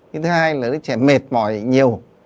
thứ hai là đứa trẻ mệt mỏi nhiều